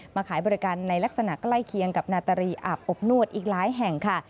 ขายบริการในลักษณะใกล้เคียงกับนาตรีอาบอบนวดอีกหลายแห่งค่ะ